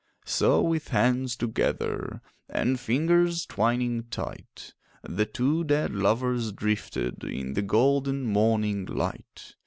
So with hands together And fingers twining tight, The two dead lovers drifted In the golden morning light.